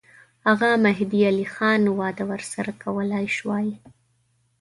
هغه مهدي علي خان وعده ورسره کولای سوای.